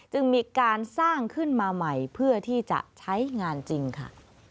จึงมีการสร้างขึ้นมาใหม่เพื่อที่จะใช้งานจริงค่ะ